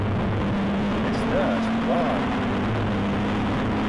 Es neesmu vāja!